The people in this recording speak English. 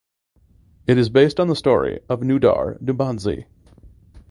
It is based on the story of Nodar Dumbadze.